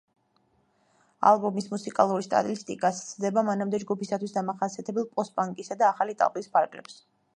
ალბომის მუსიკალური სტილისტიკა სცდება მანამდე ჯგუფისთვის დამახასიათებელ პოსტ-პანკის და ახალი ტალღის ფარგლებს.